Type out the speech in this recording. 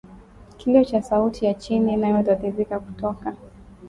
Kilio cha sauti ya chini inayotatizika kutoka